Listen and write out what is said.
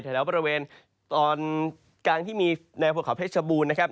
แถวบริเวณตอนกลางที่มีแนวภูเขาเพชรบูรณ์นะครับ